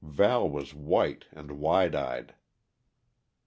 Val was white and wide eyed.